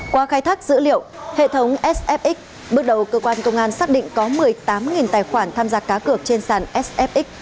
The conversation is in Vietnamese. qua khai thác dữ liệu hệ thống sfxx bước đầu cơ quan công an xác định có một mươi tám tài khoản tham gia cá cược trên sàn sfxx